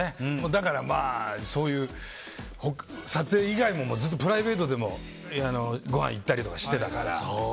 だから、そういう撮影以外もずっとプライベートでもごはん行ったりとかしてたから。